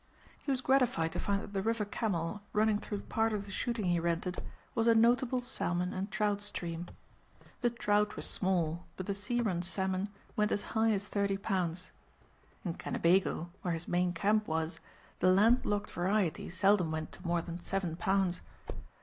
He was gratified to find that the river Camel running through part of the shooting he rented was a notable salmon and trout stream. The trout were small but the sea run salmon went as high as thirty pounds. In Kennebago where his Maine camp was the land locked variety seldom went to more than seven pounds.